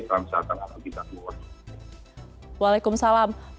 assalamualaikum selamat sore